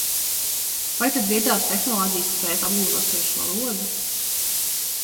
Vai tad viedās tehnoloģijas spēs apgūt latviešu valodu?